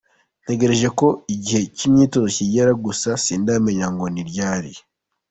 Ntegereje ko igihe cy’imyitozo kigera gusa sindamenya ngo ni ryari”.